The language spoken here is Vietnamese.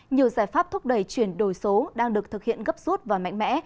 nhiều giải pháp thúc đẩy chuyển đổi số đang được thực hiện gấp rút và mạnh mẽ